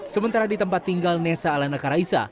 sementara di tempat tinggal nesa alana karaisa